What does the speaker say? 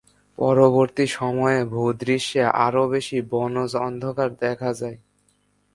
পরবর্তী সময়ের ভূদৃশ্যে আরও বেশি বনজ অন্ধকার দেখা যায়।